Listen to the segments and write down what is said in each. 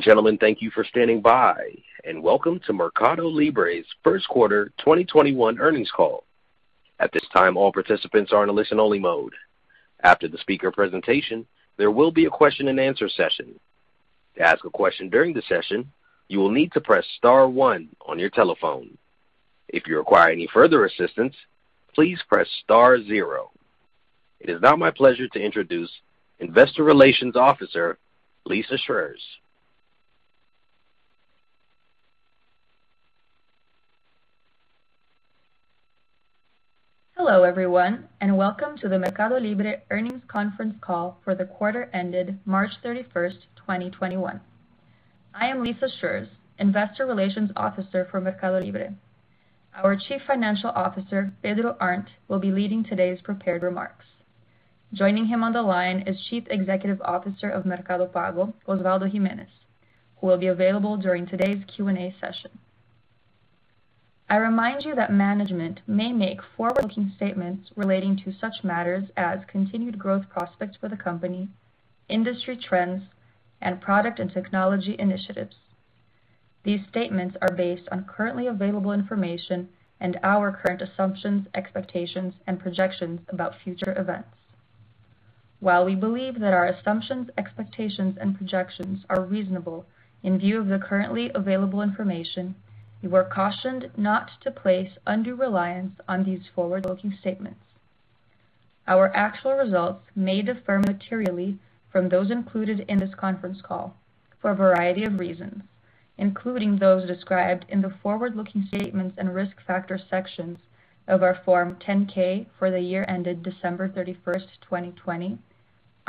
Gentlemen, thank you for standing by. Welcome to MercadoLibre's First Quarter 2021 Earnings Call. At this time, all participants are in a listen-only mode. After the speaker presentation, there will be a question and answer session. To ask a question during the session, you will need to press star one on your telephone. If you require any further assistance, please press star zero. It is now my pleasure to introduce Investor Relations Officer, Lissa Schreurs. Hello, everyone, and welcome to the MercadoLibre earnings conference call for the quarter ended March 31st, 2021. I am Lissa Schreurs, Investor Relations Officer for MercadoLibre. Our Chief Financial Officer, Pedro Arnt, will be leading today's prepared remarks. Joining him on the line is Chief Executive Officer of Mercado Pago, Osvaldo Gimenez, who will be available during today's Q&A session. I remind you that management may make forward-looking statements relating to such matters as continued growth prospects for the company, industry trends, and product and technology initiatives. These statements are based on currently available information and our current assumptions, expectations, and projections about future events. While we believe that our assumptions, expectations, and projections are reasonable in view of the currently available information, you are cautioned not to place undue reliance on these forward-looking statements. Our actual results may differ materially from those included in this conference call for a variety of reasons, including those described in the forward-looking statements and risk factor sections of our Form 10-K for the year ended December 31st, 2020,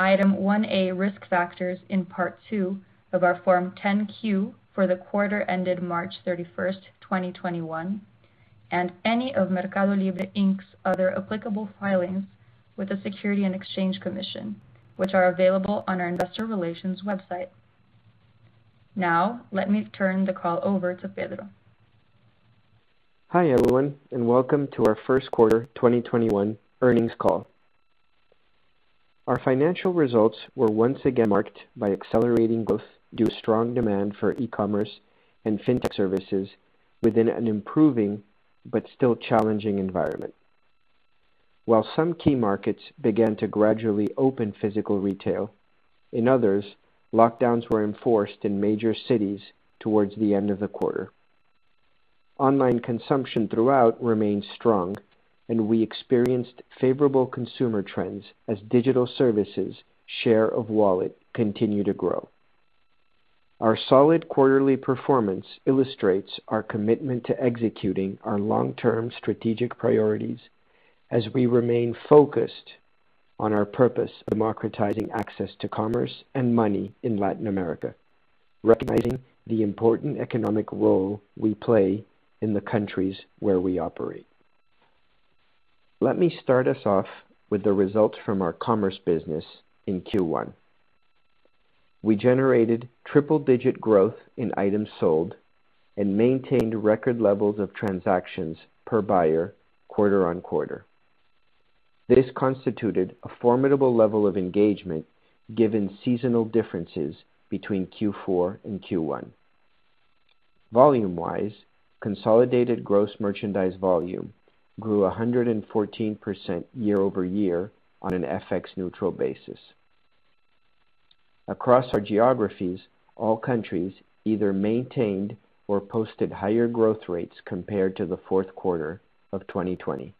Item 1A Risk Factors in Part Two of our Form 10-Q for the quarter ended March 31st, 2021, and any of MercadoLibre, Inc.'s other applicable filings with the Securities and Exchange Commission, which are available on our investor relations website. Now, let me turn the call over to Pedro. Hi, everyone. Welcome to our first quarter 2021 earnings call. Our financial results were once again marked by accelerating growth due to strong demand for e-commerce and fintech services within an improving but still challenging environment. While some key markets began to gradually open physical retail, in others, lockdowns were enforced in major cities towards the end of the quarter. Online consumption throughout remained strong, and we experienced favorable consumer trends as digital services' share of wallet continued to grow. Our solid quarterly performance illustrates our commitment to executing our long-term strategic priorities as we remain focused on our purpose democratizing access to commerce and money in Latin America, recognizing the important economic role we play in the countries where we operate. Let me start us off with the results from our commerce business in Q1. We generated triple-digit growth in items sold and maintained record levels of transactions per buyer quarter-on-quarter. This constituted a formidable level of engagement given seasonal differences between Q4 and Q1. Volume-wise, consolidated gross merchandise volume grew 114% year-over-year on an FX neutral basis. Across our geographies, all countries either maintained or posted higher growth rates compared to the fourth quarter of 2020.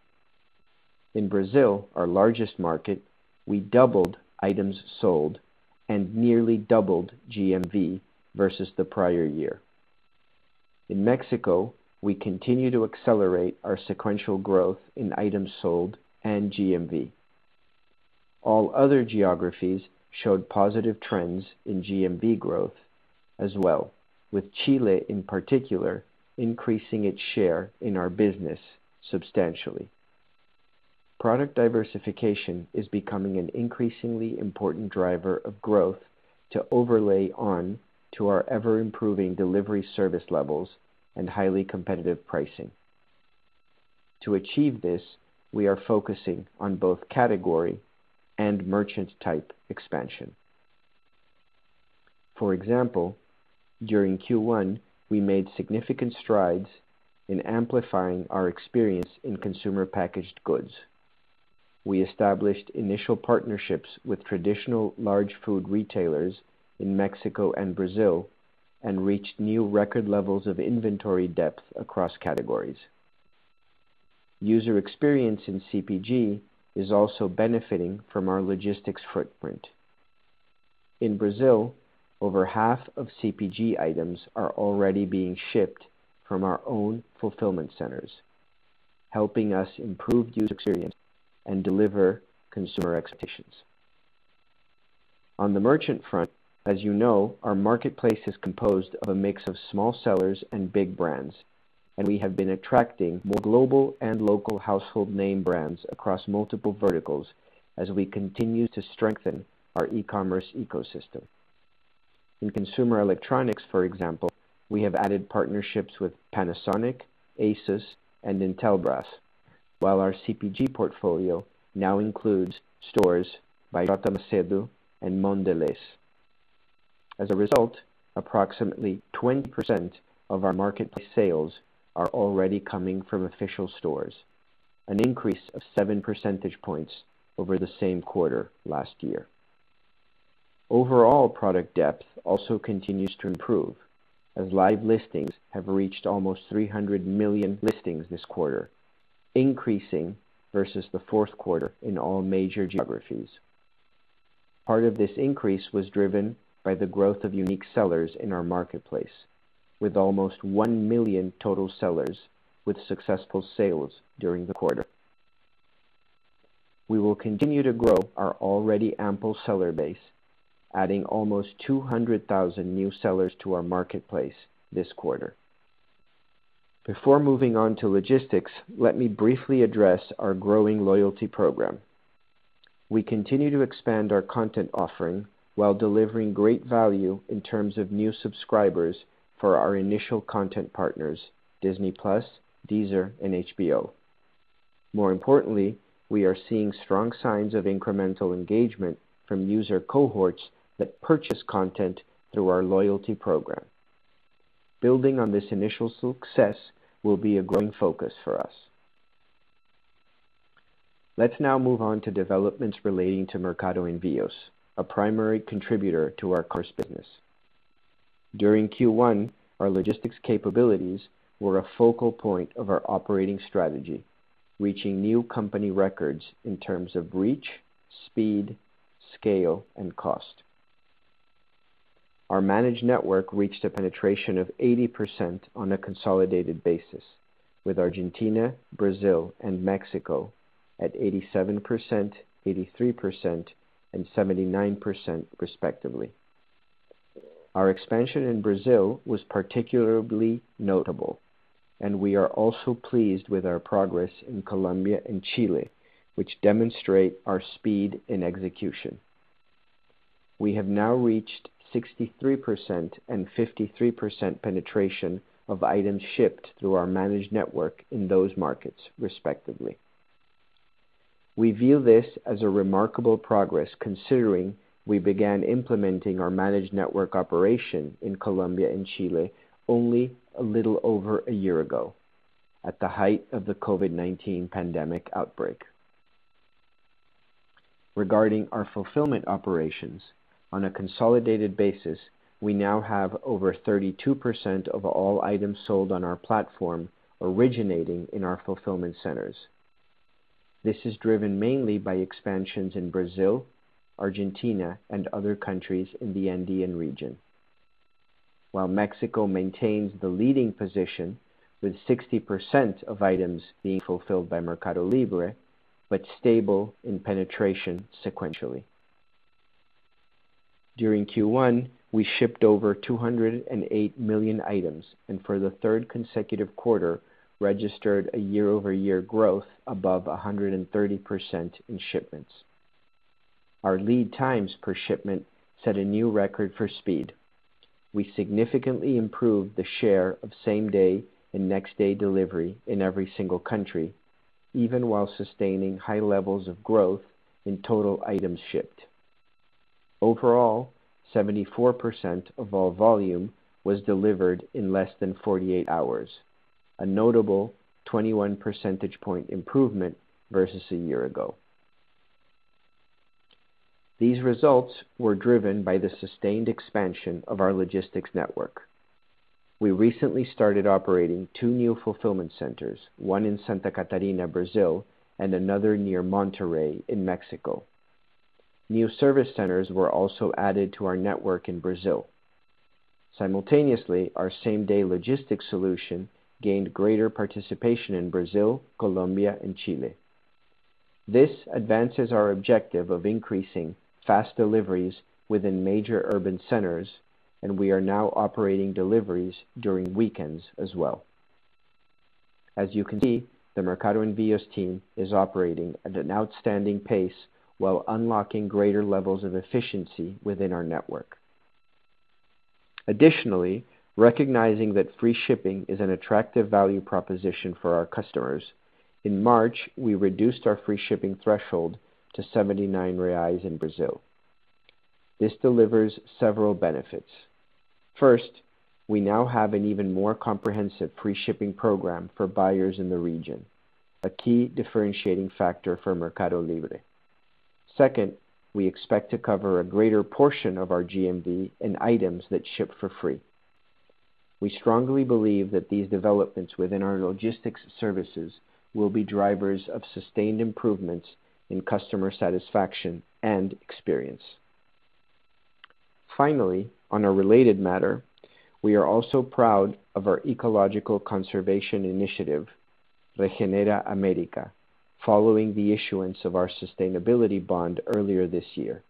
In Brazil, our largest market, we doubled items sold and nearly doubled GMV versus the prior year. In Mexico, we continue to accelerate our sequential growth in items sold and GMV. All other geographies showed positive trends in GMV growth as well, with Chile, in particular, increasing its share in our business substantially. Product diversification is becoming an increasingly important driver of growth to overlay on to our ever-improving delivery service levels and highly competitive pricing. To achieve this, we are focusing on both category and merchant type expansion. For example, during Q1, we made significant strides in amplifying our experience in consumer packaged goods. We established initial partnerships with traditional large food retailers in Mexico and Brazil and reached new record levels of inventory depth across categories. User experience in CPG is also benefiting from our logistics footprint. In Brazil, over half of CPG items are already being shipped from our own fulfillment centers, helping us improve user experience and deliver consumer expectations. On the merchant front, as you know, our marketplace is composed of a mix of small sellers and big brands, and we have been attracting more global and local household name brands across multiple verticals as we continue to strengthen our e-commerce ecosystem. In consumer electronics, for example, we have added partnerships with Panasonic, ASUS and Intelbras. While our CPG portfolio now includes stores by J.Macêdo and Mondelēz. As a result, approximately 20% of our marketplace sales are already coming from official stores, an increase of seven percentage points over the same quarter last year. Overall product depth also continues to improve, as live listings have reached almost 300 million listings this quarter, increasing versus the fourth quarter in all major geographies. Part of this increase was driven by the growth of unique sellers in our marketplace, with almost one million total sellers with successful sales during the quarter. We will continue to grow our already ample seller base, adding almost 200,000 new sellers to our marketplace this quarter. Before moving on to logistics, let me briefly address our growing loyalty program. We continue to expand our content offering while delivering great value in terms of new subscribers for our initial content partners, Disney+, Deezer, and HBO. More importantly, we are seeing strong signs of incremental engagement from user cohorts that purchase content through our loyalty program. Building on this initial success will be a growing focus for us. Let's now move on to developments relating to Mercado Envios, a primary contributor to our core business. During Q1, our logistics capabilities were a focal point of our operating strategy, reaching new company records in terms of reach, speed, scale, and cost. Our managed network reached a penetration of 80% on a consolidated basis, with Argentina, Brazil, and Mexico at 87%, 83%, and 79% respectively. Our expansion in Brazil was particularly notable, and we are also pleased with our progress in Colombia and Chile, which demonstrate our speed in execution. We have now reached 63% and 53% penetration of items shipped through our managed network in those markets, respectively. We view this as a remarkable progress, considering we began implementing our managed network operation in Colombia and Chile only a little over a year ago at the height of the COVID-19 pandemic outbreak. Regarding our fulfillment operations, on a consolidated basis, we now have over 32% of all items sold on our platform originating in our fulfillment centers. This is driven mainly by expansions in Brazil, Argentina, and other countries in the Andean region. While Mexico maintains the leading position with 60% of items being fulfilled by MercadoLibre, but stable in penetration sequentially. During Q1, we shipped over 208 million items, and for the third consecutive quarter, registered a year-over-year growth above 130% in shipments. Our lead times per shipment set a new record for speed. We significantly improved the share of same-day and next-day delivery in every single country, even while sustaining high levels of growth in total items shipped. Overall, 74% of all volume was delivered in less than 48 hours, a notable 21 percentage point improvement versus a year ago. These results were driven by the sustained expansion of our logistics network. We recently started operating two new fulfillment centers, one in Santa Catarina, Brazil, and another near Monterrey in Mexico. New service centers were also added to our network in Brazil. Simultaneously, our same-day logistics solution gained greater participation in Brazil, Colombia, and Chile. This advances our objective of increasing fast deliveries within major urban centers, and we are now operating deliveries during weekends as well. As you can see, the Mercado Envíos team is operating at an outstanding pace while unlocking greater levels of efficiency within our network. Additionally, recognizing that free shipping is an attractive value proposition for our customers, in March, we reduced our free shipping threshold to 79 reais in Brazil. This delivers several benefits. First, we now have an even more comprehensive free shipping program for buyers in the region, a key differentiating factor for MercadoLibre. Second, we expect to cover a greater portion of our GMV in items that ship for free. We strongly believe that these developments within our logistics services will be drivers of sustained improvements in customer satisfaction and experience. Finally, on a related matter, we are also proud of our ecological conservation initiative, Regenera América, following the issuance of our sustainability bond earlier this year.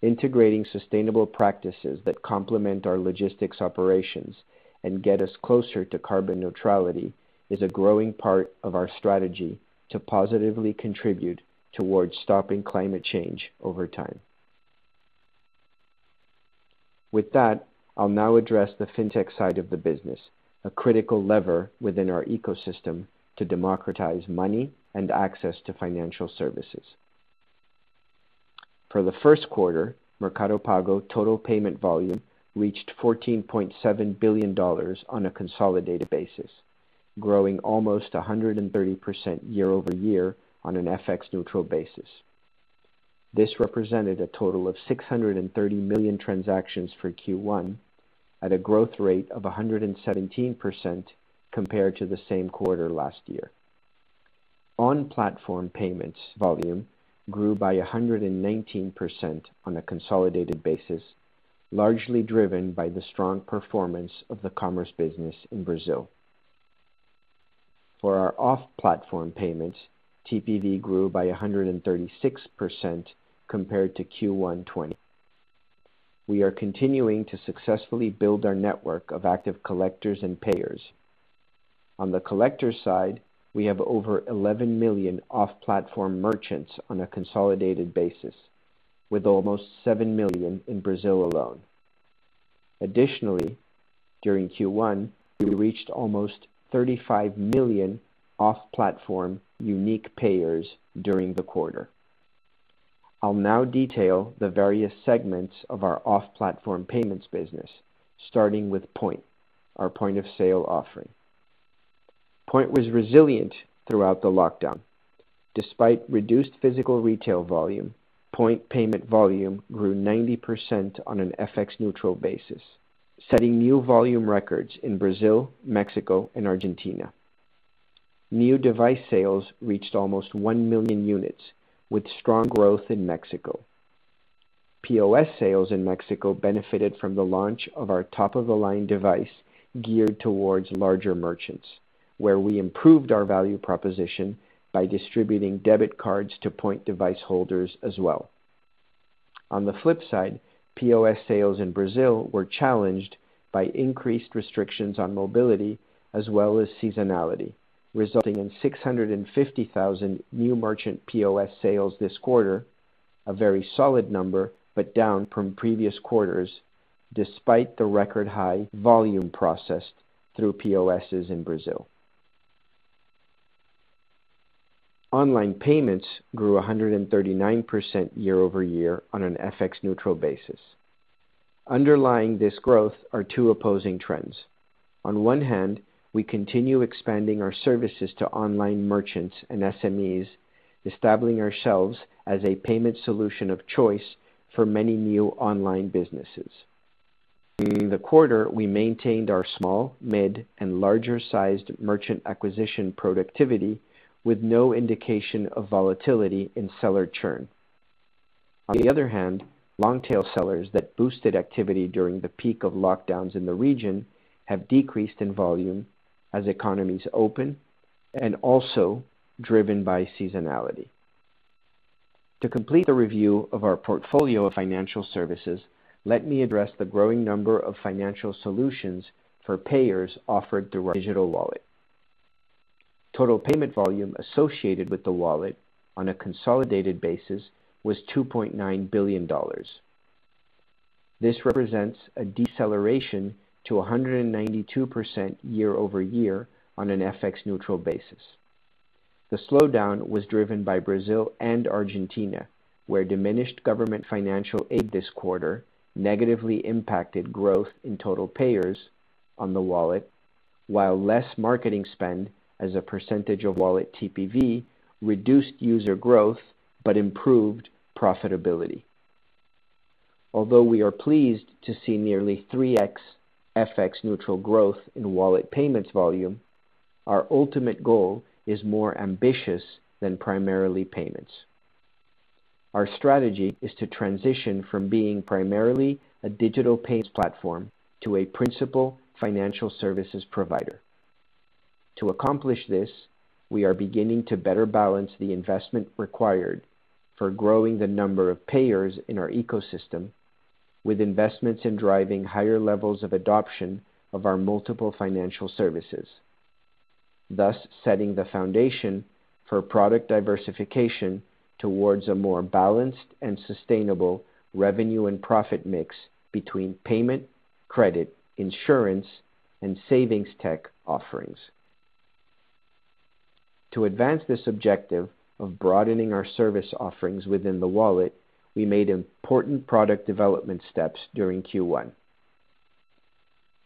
Integrating sustainable practices that complement our logistics operations and get us closer to carbon neutrality is a growing part of our strategy to positively contribute towards stopping climate change over time. I'll now address the fintech side of the business, a critical lever within our ecosystem to democratize money and access to financial services. For the first quarter, Mercado Pago total payment volume reached $14.7 billion on a consolidated basis, growing almost 130% year-over-year on an FX neutral basis. This represented a total of 630 million transactions for Q1 at a growth rate of 117% compared to the same quarter last year. On platform payments volume grew by 119% on a consolidated basis, largely driven by the strong performance of the commerce business in Brazil. For our off-platform payments, TPV grew by 136% compared to Q1 2020. We are continuing to successfully build our network of active collectors and payers. On the collector side, we have over 11 million off-platform merchants on a consolidated basis, with almost 7 million in Brazil alone. Additionally, during Q1, we reached almost 35 million off-platform unique payers during the quarter. I'll now detail the various segments of our off-platform payments business, starting with Point, our point of sale offering. Point was resilient throughout the lockdown. Despite reduced physical retail volume, Point payment volume grew 90% on an FX neutral basis, setting new volume records in Brazil, Mexico and Argentina. New device sales reached almost 1 million units with strong growth in Mexico. POS sales in Mexico benefited from the launch of our top of the line device geared towards larger merchants, where we improved our value proposition by distributing debit cards to Point device holders as well. On the flip side, POS sales in Brazil were challenged by increased restrictions on mobility as well as seasonality, resulting in 650,000 new merchant POS sales this quarter, a very solid number, but down from previous quarters despite the record high volume processed through POSs in Brazil. Online payments grew 139% year-over-year on an FX neutral basis. Underlying this growth are two opposing trends. On one hand, we continue expanding our services to online merchants and SMEs, establishing ourselves as a payment solution of choice for many new online businesses. During the quarter, we maintained our small, mid, and larger sized merchant acquisition productivity with no indication of volatility in seller churn. On the other hand, long tail sellers that boosted activity during the peak of lockdowns in the region have decreased in volume as economies open and also driven by seasonality. To complete the review of our portfolio of financial services, let me address the growing number of financial solutions for payers offered through our digital wallet. Total payment volume associated with the wallet on a consolidated basis was $2.9 billion. This represents a deceleration to 192% year-over-year on an FX neutral basis. The slowdown was driven by Brazil and Argentina, where diminished government financial aid this quarter negatively impacted growth in total payers on the wallet while less marketing spend as a percentage of wallet TPV reduced user growth but improved profitability. Although we are pleased to see nearly 3x FX neutral growth in wallet payments volume, our ultimate goal is more ambitious than primarily payments. Our strategy is to transition from being primarily a digital payments platform to a principal financial services provider. To accomplish this, we are beginning to better balance the investment required for growing the number of payers in our ecosystem with investments in driving higher levels of adoption of our multiple financial services, thus setting the foundation for product diversification towards a more balanced and sustainable revenue and profit mix between payment, credit, insurance, and savings tech offerings. To advance this objective of broadening our service offerings within the wallet, we made important product development steps during Q1.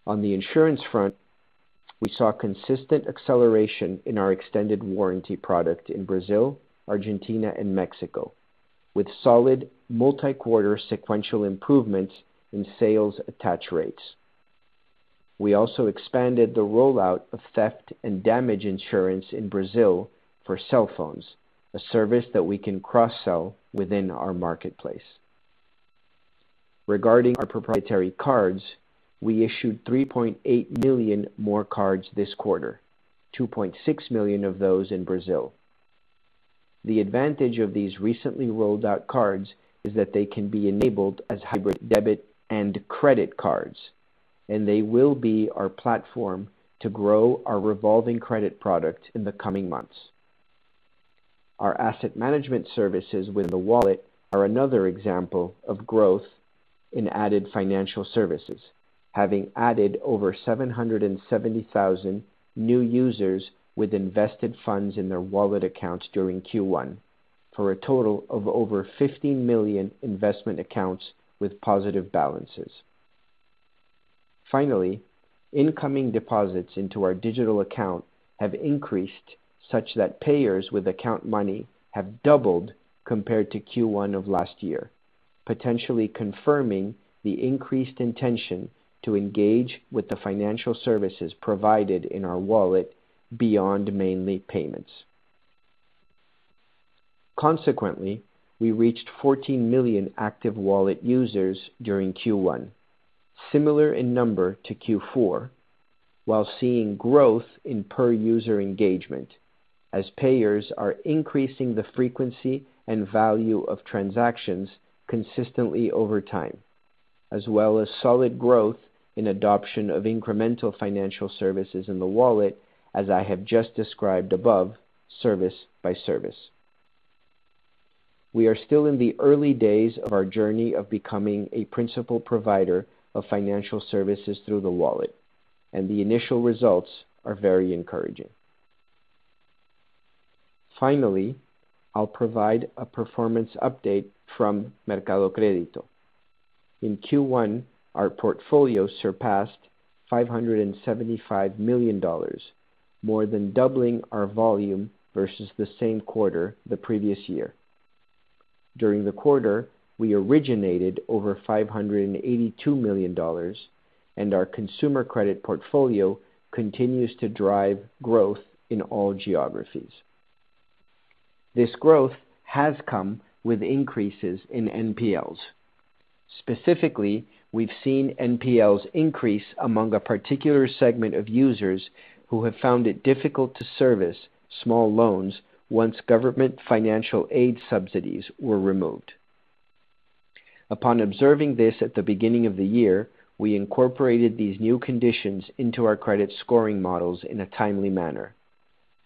On the insurance front, we saw consistent acceleration in our extended warranty product in Brazil, Argentina, and Mexico, with solid multi-quarter sequential improvements in sales attach rates. We also expanded the rollout of theft and damage insurance in Brazil for cell phones, a service that we can cross-sell within our marketplace. Regarding our proprietary cards, we issued 3.8 million more cards this quarter, 2.6 million of those in Brazil. The advantage of these recently rolled out cards is that they can be enabled as hybrid debit and credit cards, and they will be our platform to grow our revolving credit product in the coming months. Our asset management services within the Wallet are another example of growth in added financial services, having added over 770,000 new users with invested funds in their Wallet accounts during Q1, for a total of over 15 million investment accounts with positive balances. Finally, incoming deposits into our digital account have increased such that payers with account money have doubled compared to Q1 of last year, potentially confirming the increased intention to engage with the financial services provided in our Wallet beyond mainly payments. Consequently, we reached 14 million active Wallet users during Q1, similar in number to Q4, while seeing growth in per user engagement as payers are increasing the frequency and value of transactions consistently over time, as well as solid growth in adoption of incremental financial services in the Wallet, as I have just described above, service by service. We are still in the early days of our journey of becoming a principal provider of financial services through the Wallet, and the initial results are very encouraging. Finally, I'll provide a performance update from Mercado Crédito. In Q1, our portfolio surpassed $575 million, more than doubling our volume versus the same quarter the previous year. During the quarter, we originated over $582 million, and our consumer credit portfolio continues to drive growth in all geographies. This growth has come with increases in NPLs. Specifically, we've seen NPLs increase among a particular segment of users who have found it difficult to service small loans once government financial aid subsidies were removed. Upon observing this at the beginning of the year, we incorporated these new conditions into our credit scoring models in a timely manner,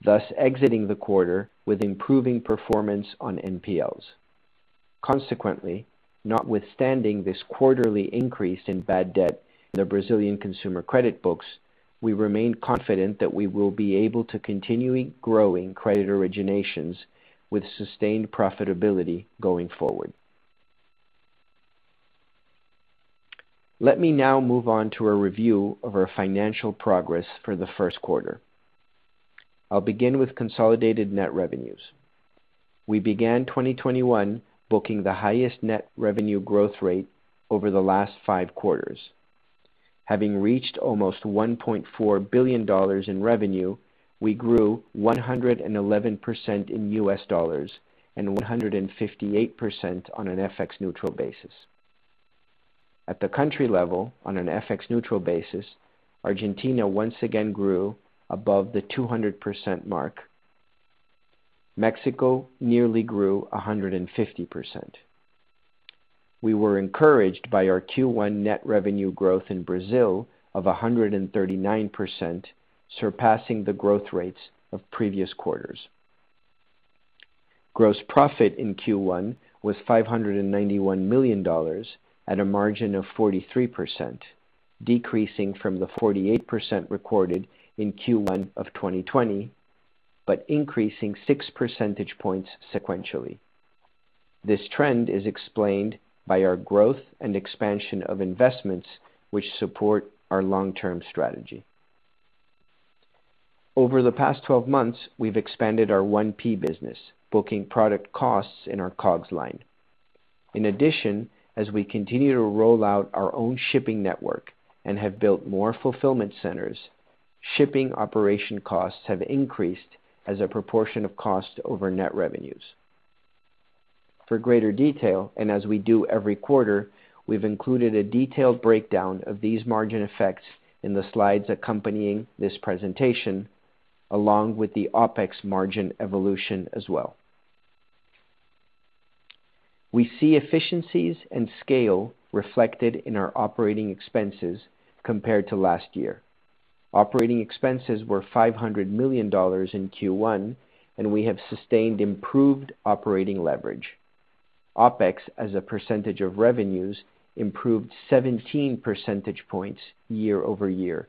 thus exiting the quarter with improving performance on NPLs. Consequently, notwithstanding this quarterly increase in bad debt in the Brazilian consumer credit books, we remain confident that we will be able to continue growing credit originations with sustained profitability going forward. Let me now move on to a review of our financial progress for the first quarter. I'll begin with consolidated net revenues. We began 2021 booking the highest net revenue growth rate over the last five quarters. Having reached almost $1.4 billion in revenue, we grew 111% in U.S. dollars and 158% on an FX neutral basis. At the country level, on an FX neutral basis, Argentina once again grew above the 200% mark. Mexico nearly grew 150%. We were encouraged by our Q1 net revenue growth in Brazil of 139%, surpassing the growth rates of previous quarters. Gross profit in Q1 was $591 million at a margin of 43%, decreasing from the 48% recorded in Q1 of 2020, but increasing 6 percentage points sequentially. This trend is explained by our growth and expansion of investments which support our long-term strategy. Over the past 12 months, we've expanded our 1P business, booking product costs in our COGS line. In addition, as we continue to roll out our own shipping network and have built more fulfillment centers, shipping operation costs have increased as a proportion of cost over net revenues. For greater detail, and as we do every quarter, we've included a detailed breakdown of these margin effects in the slides accompanying this presentation, along with the OpEx margin evolution as well. We see efficiencies and scale reflected in our operating expenses compared to last year. Operating expenses were $500 million in Q1, and we have sustained improved operating leverage. OpEx as a % of revenues improved 17 percentage points year-over-year,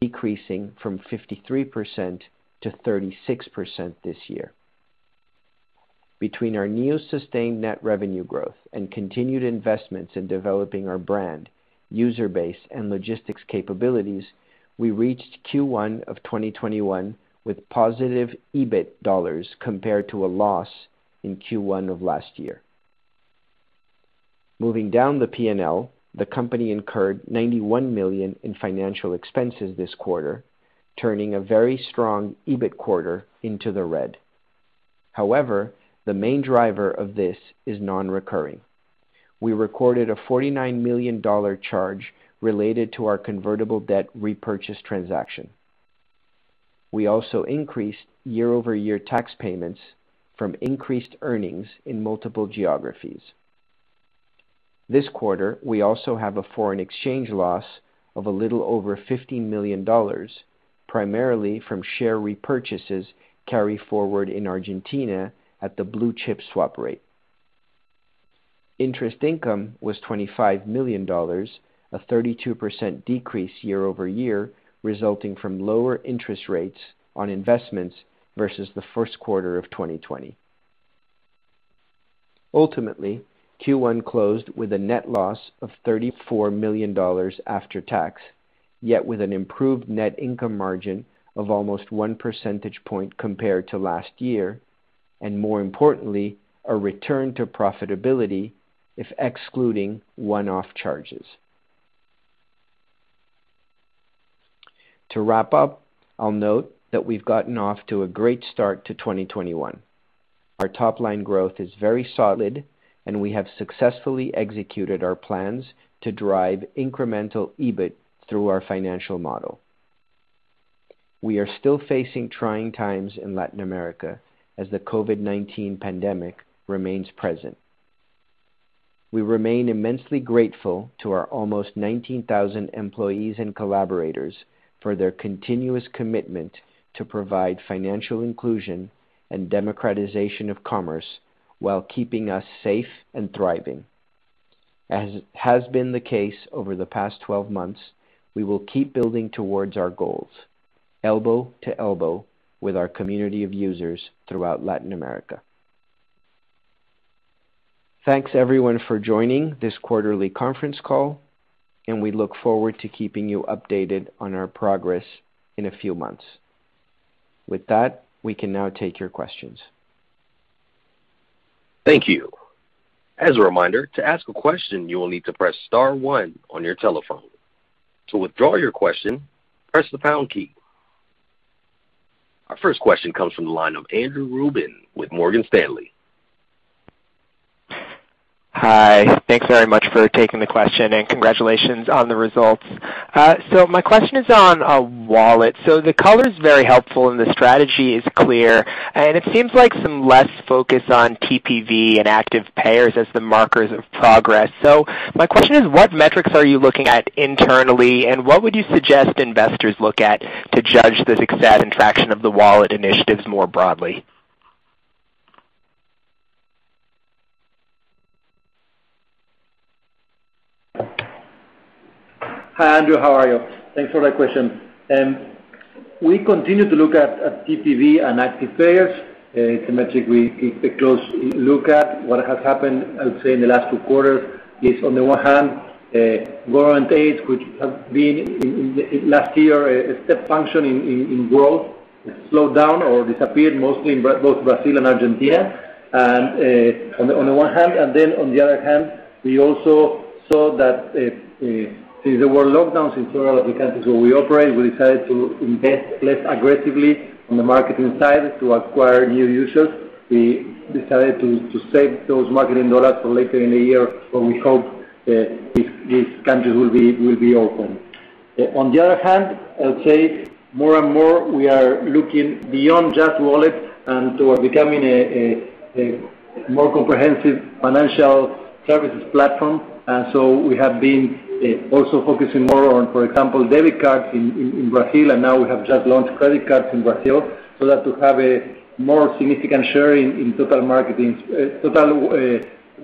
decreasing from 53% to 36% this year. Between our new sustained net revenue growth and continued investments in developing our brand, user base, and logistics capabilities, we reached Q1 of 2021 with positive EBIT dollars compared to a loss in Q1 of last year. Moving down the P&L, the company incurred $91 million in financial expenses this quarter, turning a very strong EBIT quarter into the red. The main driver of this is non-recurring. We recorded a $49 million charge related to our convertible debt re-purchase transaction. We also increased year-over-year tax payments from increased earnings in multiple geographies. This quarter, we also have a foreign exchange loss of a little over $15 million, primarily from share repurchases carry forward in Argentina at the blue-chip swap rate. Interest income was $25 million, a 32% decrease year-over-year, resulting from lower interest rates on investments versus the first quarter of 2020. Ultimately, Q1 closed with a net loss of $34 million after tax, yet with an improved net income margin of almost one percentage point compared to last year, and more importantly, a return to profitability if excluding one-off charges. To wrap up, I'll note that we've gotten off to a great start to 2021. Our top-line growth is very solid, and we have successfully executed our plans to drive incremental EBIT through our financial model. We are still facing trying times in Latin America as the COVID-19 pandemic remains present. We remain immensely grateful to our almost 19,000 employees and collaborators for their continuous commitment to provide financial inclusion and democratization of commerce while keeping us safe and thriving. As has been the case over the past 12 months, we will keep building towards our goals, elbow to elbow with our community of users throughout Latin America. Thanks everyone for joining this quarterly conference call, and we look forward to keeping you updated on our progress in a few months. With that, we can now take your questions. Thank you. As a reminder, to ask a question, you will need to press star one on your telephone. To withdraw your question, press the pound key. Our first question comes from the line of Andrew Ruben with Morgan Stanley. Hi. Thanks very much for taking the question, and congratulations on the results. My question is on Wallet. The color's very helpful and the strategy is clear, and it seems like some less focus on TPV and active payers as the markers of progress. My question is, what metrics are you looking at internally, and what would you suggest investors look at to judge the success and traction of the Wallet initiatives more broadly? Hi, Andrew Ruben. How are you? Thanks for that question. We continue to look at TPV and active payers. It's a metric we keep a close look at. What has happened, I would say in the last two quarters, is on the one hand, government aids, which have been last year a step function in growth, slowed down or disappeared mostly in both Brazil and Argentina, on the one hand. On the other hand, we also saw that since there were lockdowns in several of the countries where we operate, we decided to invest less aggressively on the marketing side to acquire new users. We decided to save those marketing dollars for later in the year when we hope these countries will be open. On the other hand, I would say more and more we are looking beyond just wallets and toward becoming a more comprehensive financial services platform. We have been also focusing more on, for example, debit cards in Brazil, and now we have just launched credit cards in Brazil, so that we have a more significant share in total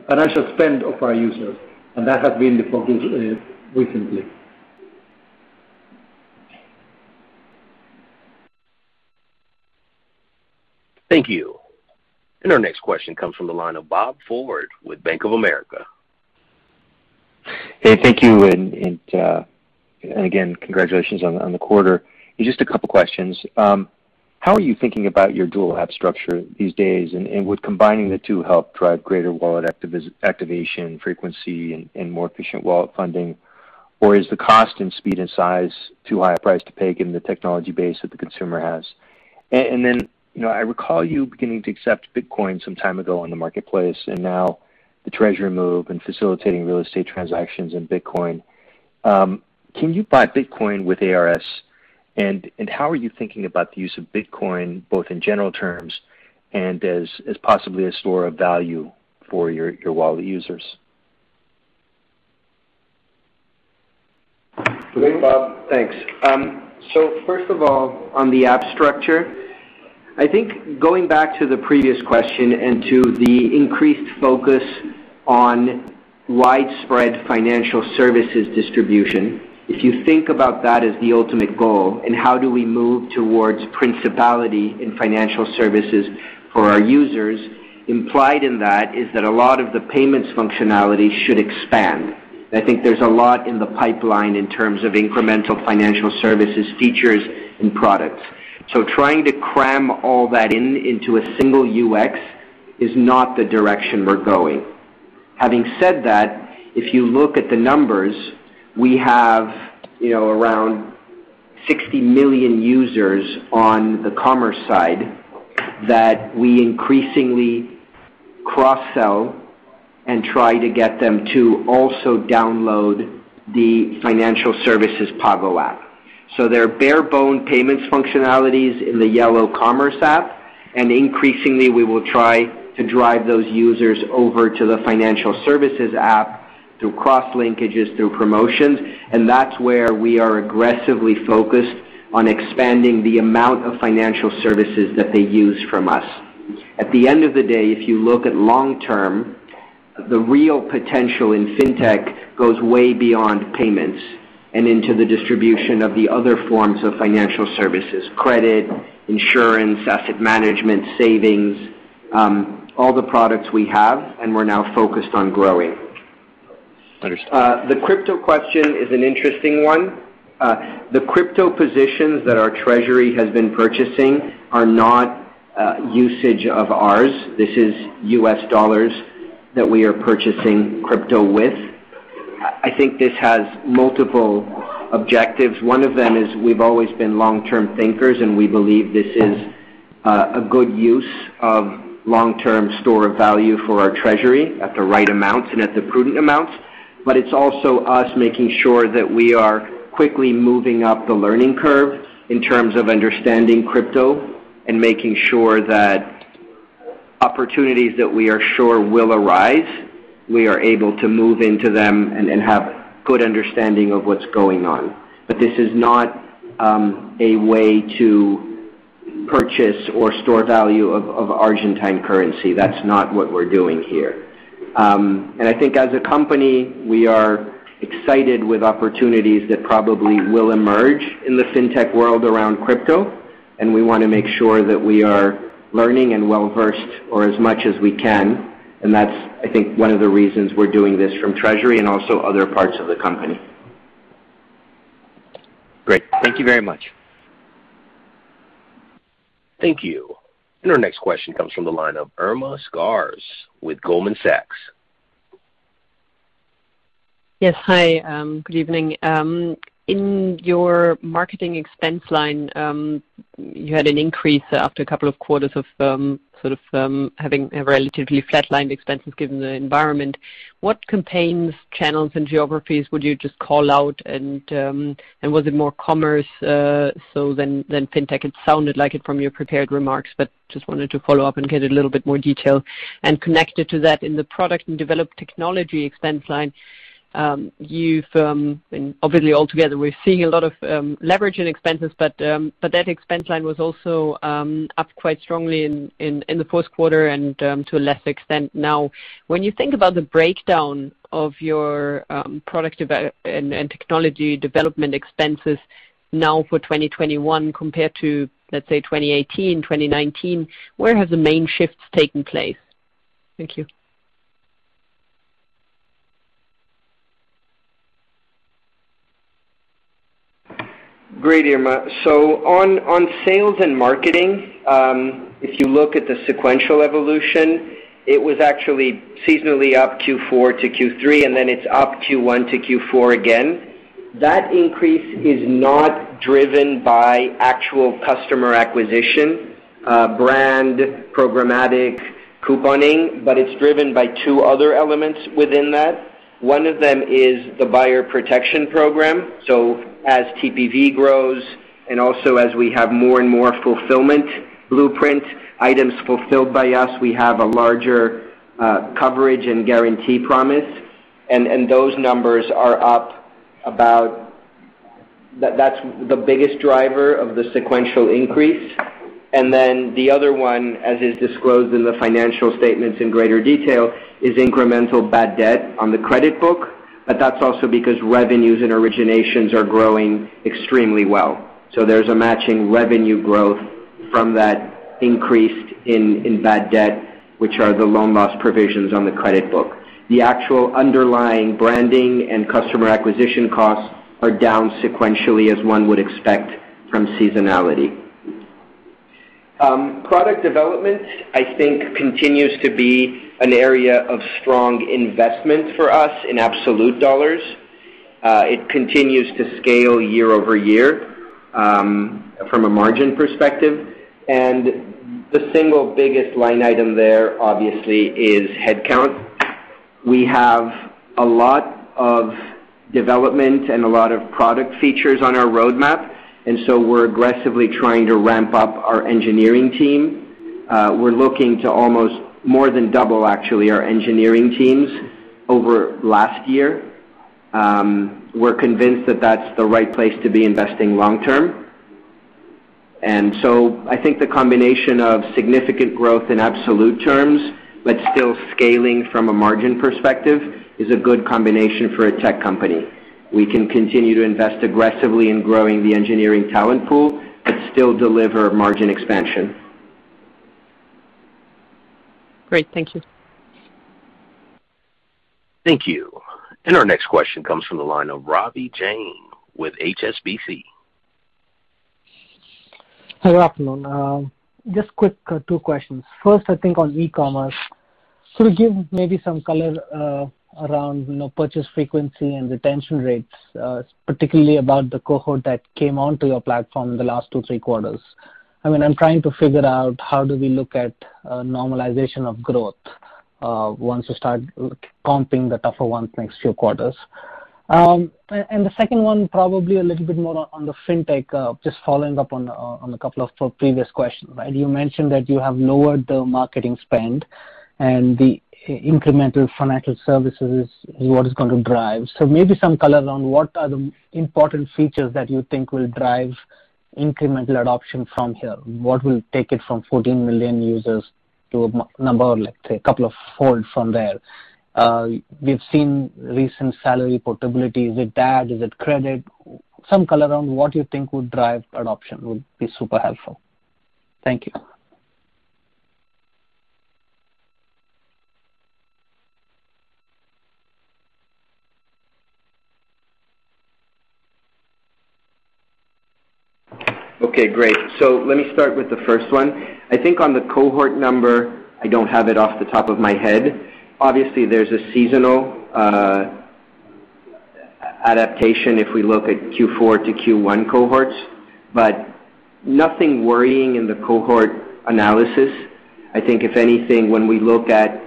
financial spend of our users. That has been the focus recently. Thank you. Our next question comes from the line of Bob Ford with Bank of America. Hey, thank you, and again, congratulations on the quarter. Just a couple of questions. How are you thinking about your dual app structure these days? Would combining the two help drive greater wallet activation, frequency, and more efficient wallet funding? Is the cost and speed and size too high a price to pay given the technology base that the consumer has? I recall you beginning to accept Bitcoin some time ago in the marketplace, and now the treasury move and facilitating real estate transactions in Bitcoin. Can you buy Bitcoin with ARS? How are you thinking about the use of Bitcoin, both in general terms and as possibly a store of value for your wallet users? Great, Bob. Thanks. First of all, on the app structure, I think going back to the previous question and to the increased focus on widespread financial services distribution, if you think about that as the ultimate goal and how do we move towards principality in financial services for our users, implied in that is that a lot of the payments functionality should expand. I think there's a lot in the pipeline in terms of incremental financial services features and products. Trying to cram all that in into a single UX is not the direction we're going. Having said that, if you look at the numbers, we have around 60 million users on the commerce side that we increasingly cross-sell and try to get them to also download the financial services Pago app. There are bare-bones payments functionalities in the yellow commerce app. Increasingly, we will try to drive those users over to the financial services app through cross-linkages through promotions, and that's where we are aggressively focused on expanding the amount of financial services that they use from us. At the end of the day, if you look at long-term, the real potential in fintech goes way beyond payments and into the distribution of the other forms of financial services, credit, insurance, asset management, savings, all the products we have and we're now focused on growing. Understood. The crypto question is an interesting one. The crypto positions that our treasury has been purchasing are not usage of ours. This is US dollars that we are purchasing crypto with. I think this has multiple objectives. One of them is we've always been long-term thinkers, and we believe this is a good use of long-term store value for our treasury at the right amounts and at the prudent amounts. It's also us making sure that we are quickly moving up the learning curve in terms of understanding crypto and making sure that opportunities that we are sure will arise, we are able to move into them and have good understanding of what's going on. This is not a way to purchase or store value of Argentine currency. That's not what we're doing here. I think as a company, we are excited with opportunities that probably will emerge in the fintech world around crypto, and we want to make sure that we are learning and well-versed or as much as we can. That's, I think, one of the reasons we're doing this from treasury and also other parts of the company. Great. Thank you very much. Thank you. Our next question comes from the line of Irma Sgarz with Goldman Sachs. Yes. Hi. Good evening. In your marketing expense line, you had an increase after a couple of quarters of sort of having a relatively flatlined expenses given the environment. What campaigns, channels, and geographies would you just call out? Was it more commerce, so than fintech? It sounded like it from your prepared remarks, just wanted to follow up and get a little bit more detail. Connected to that in the product and develop technology expense line. Obviously, altogether, we're seeing a lot of leverage in expenses, but that expense line was also up quite strongly in the first quarter and to a lesser extent now. When you think about the breakdown of your product and technology development expenses now for 2021 compared to, let's say, 2018, 2019, where have the main shifts taken place? Thank you. Great, Irma. On sales and marketing, if you look at the sequential evolution, it was actually seasonally up Q4 to Q3, then it is up Q1 to Q4 again. That increase is not driven by actual customer acquisition, brand programmatic couponing, it is driven by two other elements within that. One of them is the buyer protection program. As TPV grows and also as we have more and more fulfillment blueprint items fulfilled by us, we have a larger coverage and guarantee promise. Those numbers are up. That is the biggest driver of the sequential increase. The other one, as is disclosed in the financial statements in greater detail, is incremental bad debt on the credit book, that is also because revenues and originations are growing extremely well. There's a matching revenue growth from that increase in bad debt, which are the loan loss provisions on the credit book. The actual underlying branding and customer acquisition costs are down sequentially as one would expect from seasonality. Product development, I think, continues to be an area of strong investment for us in absolute dollars. It continues to scale year-over-year from a margin perspective, and the single biggest line item there obviously is headcount. We have a lot of development and a lot of product features on our roadmap, and so we're aggressively trying to ramp up our engineering team. We're looking to almost more than double actually our engineering teams over last year. We're convinced that that's the right place to be investing long term. I think the combination of significant growth in absolute terms, but still scaling from a margin perspective is a good combination for a tech company. We can continue to invest aggressively in growing the engineering talent pool but still deliver margin expansion. Great. Thank you. Thank you. Our next question comes from the line of Ravi Jain with HSBC. Hello, afternoon. Just quick two questions. First, I think on e-commerce. Could you give maybe some color around purchase frequency and retention rates, particularly about the cohort that came onto your platform in the last two, three quarters? I'm trying to figure out how do we look at normalization of growth once you start comping the tougher ones next few quarters. The second one, probably a little bit more on the fintech, just following up on a couple of previous questions. You mentioned that you have lowered the marketing spend and the incremental financial services is what is going to drive. Maybe some color on what are the important features that you think will drive incremental adoption from here. What will take it from 14 million users to a number like, say, couple of fold from there? We've seen recent salary portability. Is it that? Is it credit? Some color on what you think would drive adoption would be super helpful. Thank you. Okay, great. Let me start with the first one. I think on the cohort number, I don't have it off the top of my head. Obviously, there's a seasonal adaptation if we look at Q4 to Q1 cohorts, but nothing worrying in the cohort analysis. I think if anything, when we look at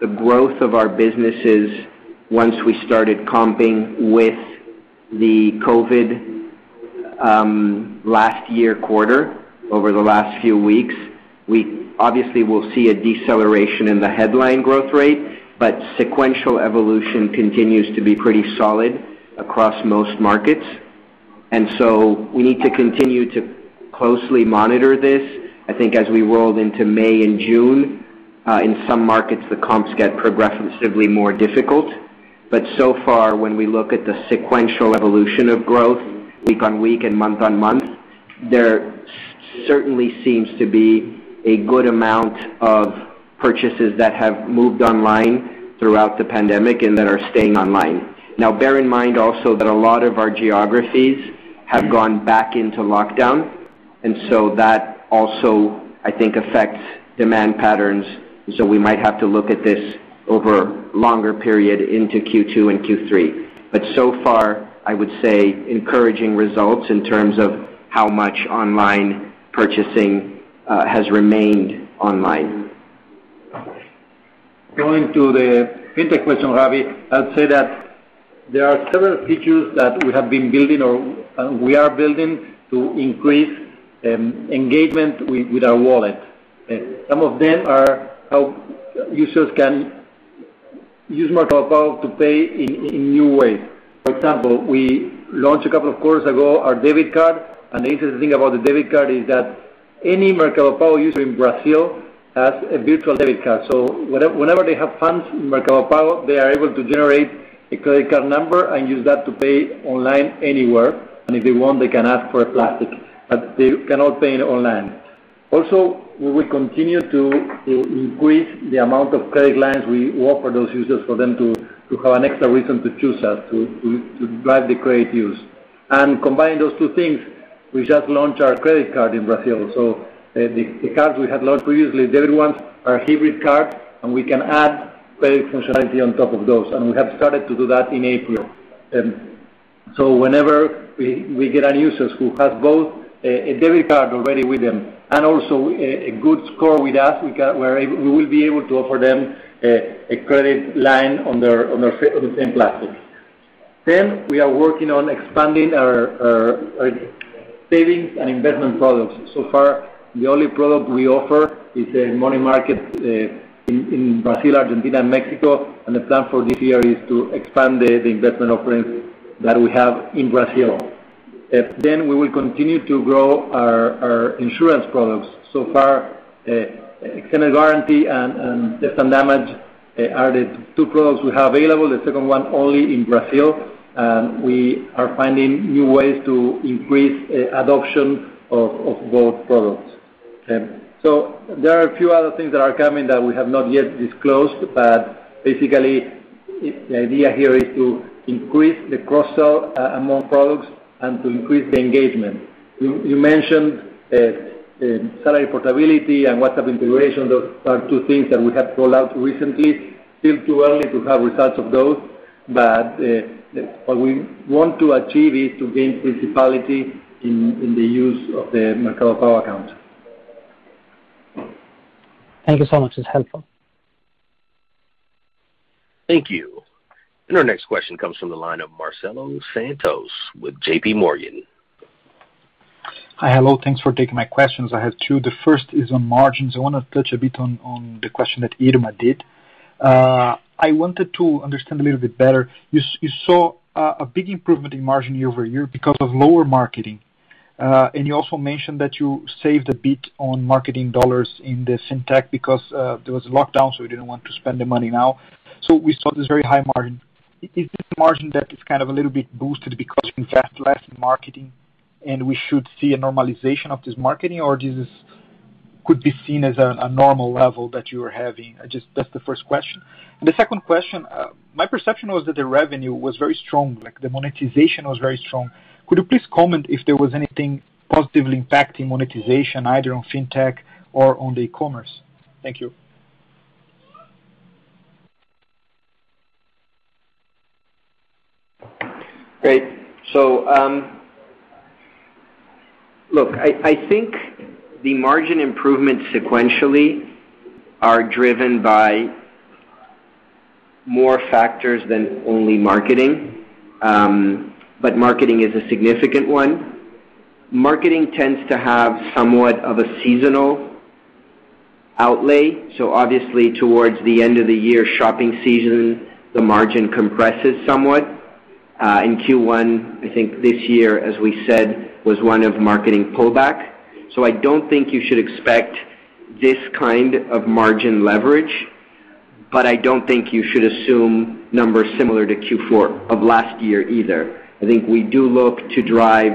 the growth of our businesses once we started comping with the COVID-19 last year quarter, over the last few weeks, we obviously will see a deceleration in the headline growth rate, but sequential evolution continues to be pretty solid across most markets. We need to continue to closely monitor this. I think as we roll into May and June, in some markets, the comps get progressively more difficult. So far, when we look at the sequential evolution of growth week on week and month on month, there certainly seems to be a good amount of purchases that have moved online throughout the pandemic and that are staying online. Now, bear in mind also that a lot of our geographies have gone back into lockdown, that also, I think, affects demand patterns. We might have to look at this over a longer period into Q2 and Q3. So far, I would say encouraging results in terms of how much online purchasing has remained online. Going to the fintech question, Ravi, I'd say that there are several features that we have been building or we are building to increase engagement with our wallet. Some of them are how users can use Mercado Pago to pay in new ways. We launched a couple of quarters ago our debit card. An interesting thing about the debit card is that any Mercado Pago user in Brazil has a virtual debit card. Whenever they have funds in Mercado Pago, they are able to generate a credit card number and use that to pay online anywhere, and if they want, they can ask for a plastic, but they cannot pay it online. We will continue to increase the amount of credit lines we offer those users for them to have an extra reason to choose us, to drive the credit use. Combining those two things, we just launched our credit card in Brazil. The cards we had launched previously, debit ones, are hybrid cards, and we can add credit functionality on top of those, and we have started to do that in April. Whenever we get an user who has both a debit card already with them and also a good score with us, we will be able to offer them a credit line on the same plastic. We are working on expanding our savings and investment products. So far, the only product we offer is a money market in Brazil, Argentina, and Mexico, and the plan for this year is to expand the investment offerings that we have in Brazil. We will continue to grow our insurance products. Far, extended warranty and theft and damage are the two products we have available, the second one only in Brazil, and we are finding new ways to increase adoption of both products. There are a few other things that are coming that we have not yet disclosed, but basically, the idea here is to increase the cross-sell among products and to increase the engagement. You mentioned salary portability and WhatsApp integration. Those are two things that we have rolled out recently. Still too early to have results of those, but what we want to achieve is to gain principality in the use of the Mercado Pago account. Thank you so much. It's helpful. Thank you. Our next question comes from the line of Marcelo Santos with JPMorgan. Hi. Hello. Thanks for taking my questions. I have two. The first is on margins. I want to touch a bit on the question that Irma did. I wanted to understand a little bit better. You saw a big improvement in margin year-over-year because of lower marketing. You also mentioned that you saved a bit on marketing dollars in the fintech because there was a lockdown, so you didn't want to spend the money now. We saw this very high margin. Is this margin that is kind of a little bit boosted because you invest less in marketing and we should see a normalization of this marketing, or this could be seen as a normal level that you are having? Just that's the first question. The second question, my perception was that the revenue was very strong, like the monetization was very strong. Could you please comment if there was anything positively impacting monetization, either on fintech or on the e-commerce? Thank you. Great. Look, I think the margin improvements sequentially are driven by more factors than only marketing, but marketing is a significant one. Marketing tends to have somewhat of a seasonal outlay. Obviously towards the end of the year shopping season, the margin compresses somewhat. In Q1, I think this year, as we said, was one of marketing pullback. I don't think you should expect this kind of margin leverage, but I don't think you should assume numbers similar to Q4 of last year either. I think we do look to drive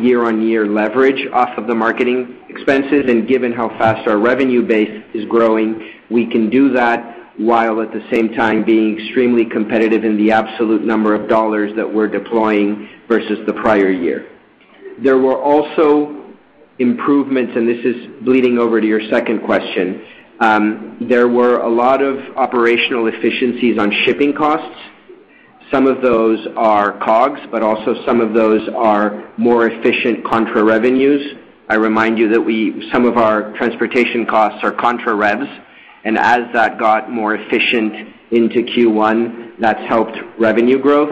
year-on-year leverage off of the marketing expenses, and given how fast our revenue base is growing, we can do that while at the same time being extremely competitive in the absolute number of dollars that we're deploying versus the prior year. There were also improvements, this is bleeding over to your second question. There were a lot of operational efficiencies on shipping costs. Some of those are COGS, but also some of those are more efficient contra revenues. I remind you that some of our transportation costs are contra revs, and as that got more efficient into Q1, that's helped revenue growth.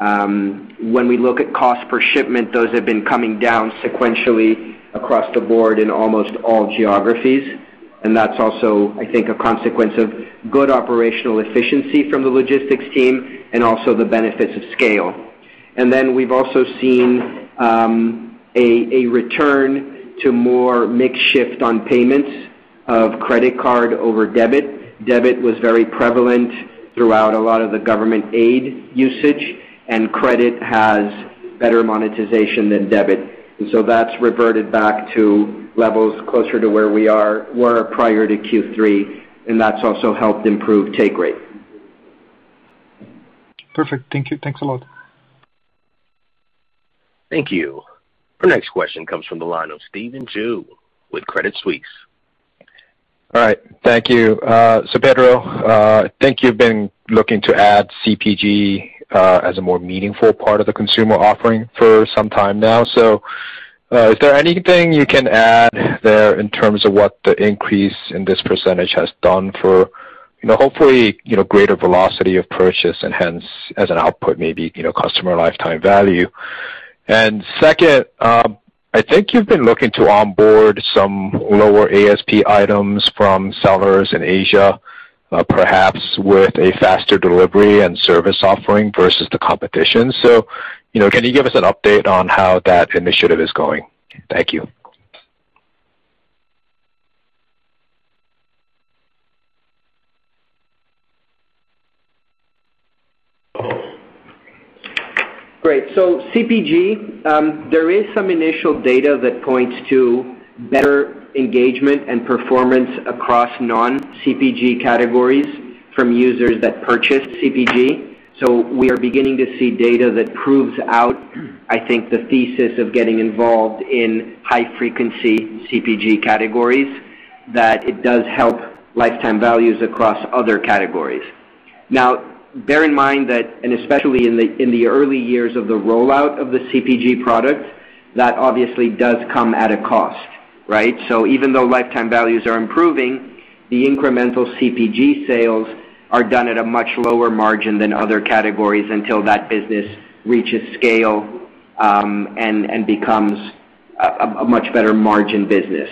When we look at cost per shipment, those have been coming down sequentially across the board in almost all geographies. That's also, I think, a consequence of good operational efficiency from the logistics team and also the benefits of scale. We've also seen a return to more mix shift on payments of credit card over debit. Debit was very prevalent throughout a lot of the government aid usage, and credit has better monetization than debit. That's reverted back to levels closer to where we were prior to Q3, and that's also helped improve take rate. Perfect. Thank you. Thanks a lot. Thank you. Our next question comes from the line of Stephen Ju with Credit Suisse. All right, thank you. Pedro, I think you've been looking to add CPG, as a more meaningful part of the consumer offering for some time now. Is there anything you can add there in terms of what the increase in this percentage has done for hopefully greater velocity of purchase and hence as an output, maybe, customer lifetime value? Second, I think you've been looking to onboard some lower ASP items from sellers in Asia, perhaps with a faster delivery and service offering versus the competition. Can you give us an update on how that initiative is going? Thank you. Great. CPG, there is some initial data that points to better engagement and performance across non-CPG categories from users that purchase CPG. We are beginning to see data that proves out, I think, the thesis of getting involved in high-frequency CPG categories, that it does help lifetime values across other categories. Now, bear in mind that, and especially in the early years of the rollout of the CPG product, that obviously does come at a cost, right. Even though lifetime values are improving, the incremental CPG sales are done at a much lower margin than other categories until that business reaches scale, and becomes a much better margin business.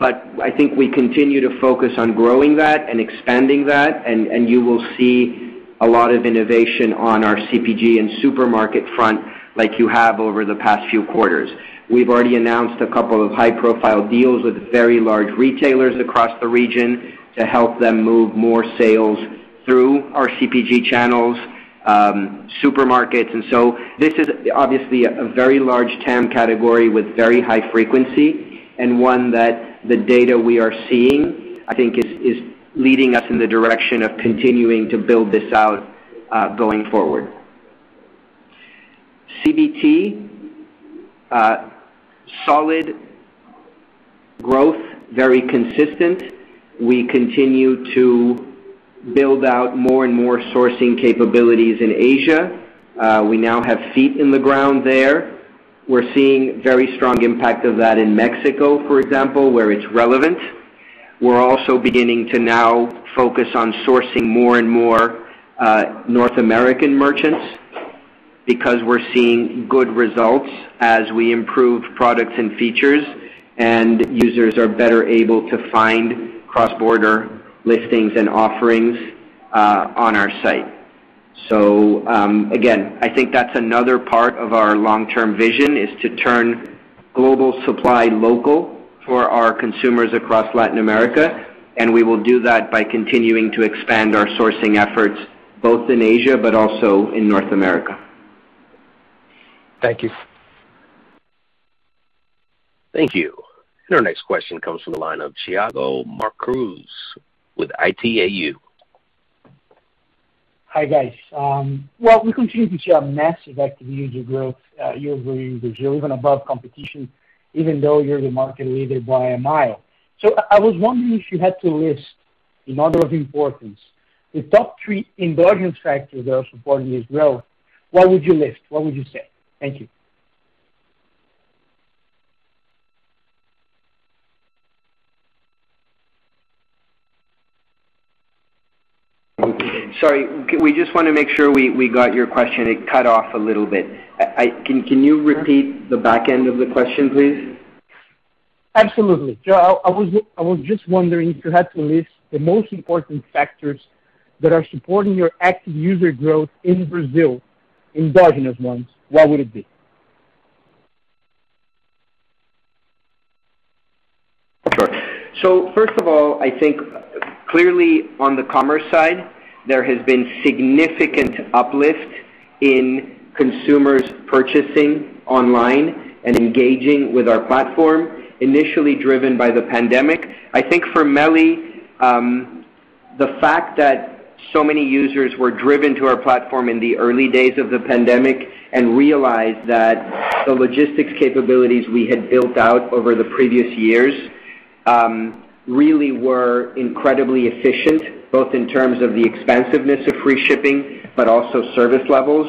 I think we continue to focus on growing that and expanding that, and you will see a lot of innovation on our CPG and supermarket front like you have over the past few quarters. We've already announced a couple of high-profile deals with very large retailers across the region to help them move more sales through our CPG channels, supermarkets. This is obviously a very large TAM category with very high frequency, and one that the data we are seeing, I think, is leading us in the direction of continuing to build this out, going forward. CBT, solid growth, very consistent. We continue to build out more and more sourcing capabilities in Asia. We now have feet in the ground there. We're seeing very strong impact of that in Mexico, for example, where it's relevant. We're also beginning to now focus on sourcing more and more North American merchants because we're seeing good results as we improve products and features, and users are better able to find cross-border listings and offerings on our site. Again, I think that's another part of our long-term vision, is to turn global supply local for our consumers across Latin America, and we will do that by continuing to expand our sourcing efforts both in Asia but also in North America. Thank you. Thank you. Our next question comes from the line of Thiago Macruz with Itaú. Hi, guys. Well, we continue to see a massive active user growth, yearly users. You're even above competition even though you're the market leader by a mile. I was wondering if you had to list in order of importance, the top three endogenous factors that are supporting Brazil, what would you list? What would you say? Thank you. Sorry. We just want to make sure we got your question. It cut off a little bit. Can you repeat the back end of the question, please? Absolutely. I was just wondering, if you had to list the most important factors that are supporting your active user growth in Brazil, endogenous ones, what would it be? Sure. First of all, I think clearly on the commerce side, there has been significant uplift in consumers purchasing online and engaging with our platform, initially driven by the pandemic. I think for MELI, the fact that so many users were driven to our platform in the early days of the pandemic and realized that the logistics capabilities we had built out over the previous years really were incredibly efficient, both in terms of the expansiveness of free shipping, but also service levels,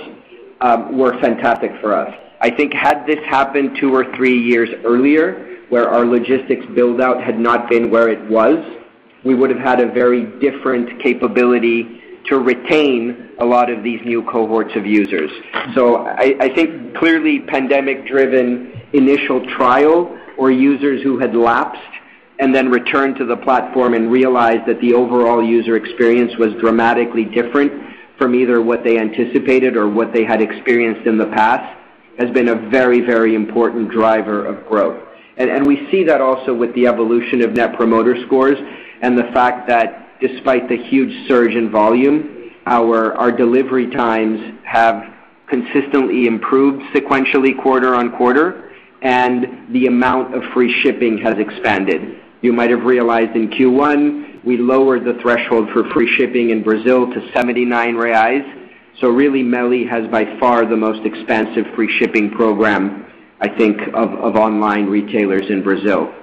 were fantastic for us. I think had this happened two or three years earlier, where our logistics build-out had not been where it was, we would have had a very different capability to retain a lot of these new cohorts of users. I think clearly pandemic-driven initial trial, or users who had lapsed and then returned to the platform and realized that the overall user experience was dramatically different from either what they anticipated or what they had experienced in the past, has been a very important driver of growth. We see that also with the evolution of net promoter scores and the fact that despite the huge surge in volume, our delivery times have consistently improved sequentially quarter-on-quarter, and the amount of free shipping has expanded. You might have realized in Q1, we lowered the threshold for free shipping in Brazil to 79 reais. Really, MELI has by far the most expansive free shipping program, I think, of online retailers in Brazil.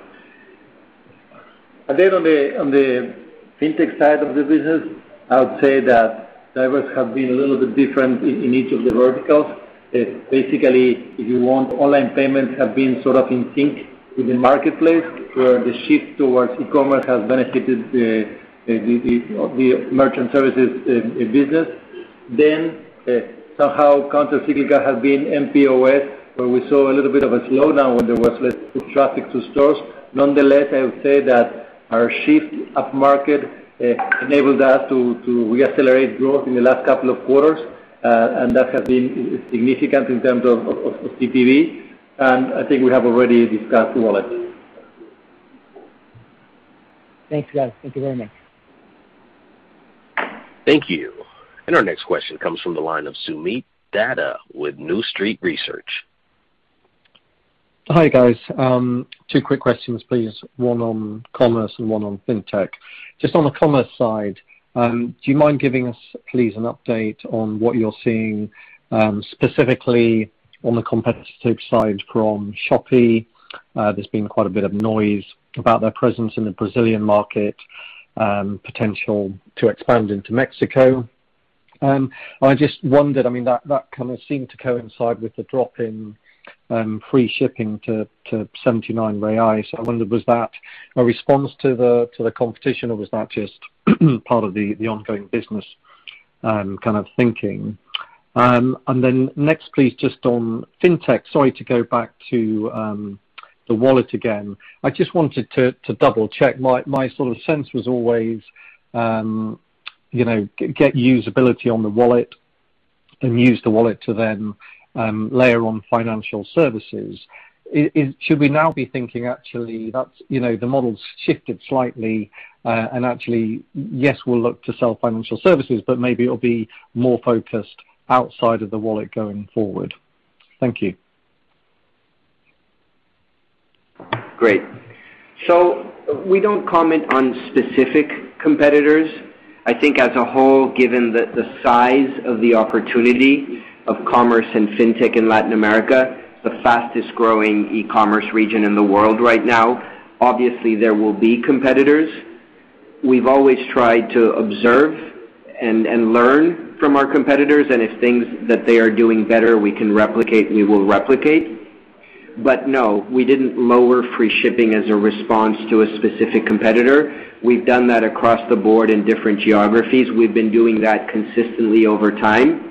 On the fintech side of the business, I would say that drivers have been a little bit different in each of the verticals. If you want, online payments have been sort of in sync with the marketplace, where the shift towards e-commerce has benefited the merchant services business. Somehow countercyclical has been mPOS, where we saw a little bit of a slowdown when there was less foot traffic to stores. I would say that our shift upmarket enabled us to re-accelerate growth in the last couple of quarters. That has been significant in terms of TPV. I think we have already discussed wallet. Thanks, guys. Thank you very much. Thank you. Our next question comes from the line of Soomit Datta with New Street Research. Hi, guys. two quick questions, please. One on commerce and one on fintech. Just on the commerce side, do you mind giving us, please, an update on what you're seeing, specifically on the competitive side from Shopee? There's been quite a bit of noise about their presence in the Brazilian market, potential to expand into Mexico. I just wondered, that kind of seemed to coincide with the drop in free shipping to 79 reais. I wondered, was that a response to the competition or was that just part of the ongoing business kind of thinking? Next, please, just on fintech. Sorry to go back to the wallet again. I just wanted to double-check. My sort of sense was always, get usability on the wallet and use the wallet to then layer on financial services. Should we now be thinking actually that the model's shifted slightly, and actually, yes, we'll look to sell financial services, but maybe it'll be more focused outside of the wallet going forward? Thank you. Great. We don't comment on specific competitors. I think as a whole, given the size of the opportunity of commerce and fintech in Latin America, the fastest-growing e-commerce region in the world right now, obviously there will be competitors. We've always tried to observe and learn from our competitors. If things that they are doing better we can replicate, we will replicate. No, we didn't lower free shipping as a response to a specific competitor. We've done that across the board in different geographies. We've been doing that consistently over time.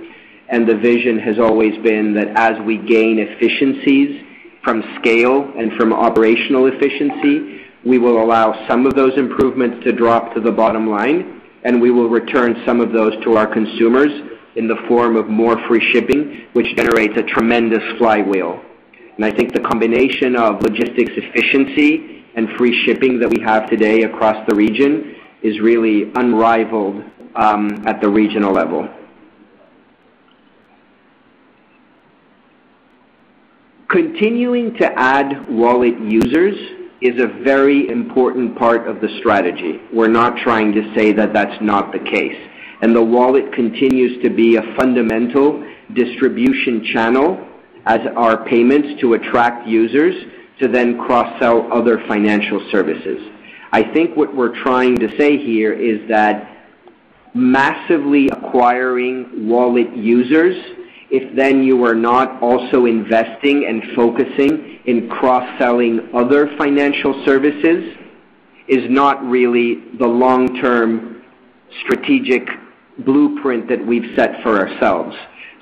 The vision has always been that as we gain efficiencies from scale and from operational efficiency, we will allow some of those improvements to drop to the bottom line, and we will return some of those to our consumers in the form of more free shipping, which generates a tremendous flywheel. I think the combination of logistics efficiency and free shipping that we have today across the region is really unrivaled at the regional level. Continuing to add wallet users is a very important part of the strategy. We're not trying to say that that's not the case. The wallet continues to be a fundamental distribution channel as our payments to attract users to then cross-sell other financial services. What we're trying to say here is that massively acquiring wallet users, if then you are not also investing and focusing in cross-selling other financial services, is not really the long-term strategic blueprint that we've set for ourselves.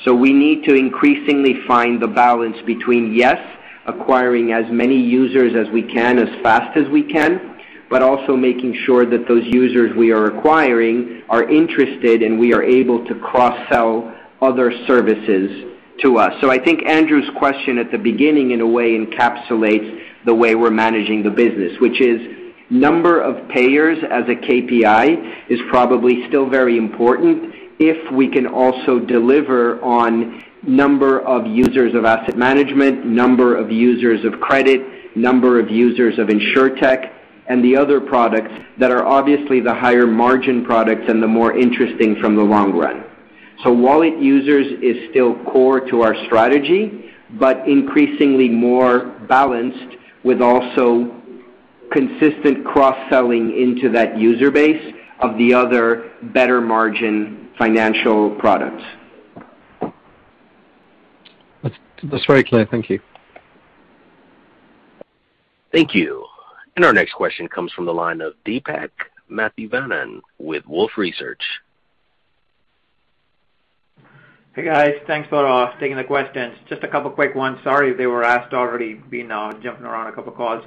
We need to increasingly find the balance between, yes, acquiring as many users as we can, as fast as we can, but also making sure that those users we are acquiring are interested and we are able to cross-sell other services to us. I think Andrew Ruben's question at the beginning, in a way, encapsulates the way we're managing the business. Which is number of payers as a KPI is probably still very important if we can also deliver on number of users of asset management, number of users of credit, number of users of InsurTech, and the other products that are obviously the higher margin products and the more interesting from the long run. Wallet users is still core to our strategy, but increasingly more balanced with also consistent cross-selling into that user base of the other better margin financial products. That's very clear. Thank you. Thank you. Our next question comes from the line of Deepak Mathivanan with Wolfe Research. Hey, guys. Thanks for taking the questions. Just a couple of quick ones. Sorry if they were asked already, been jumping around a couple of calls.